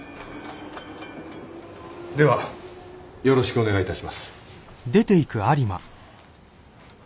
ではよろしくお願い致します。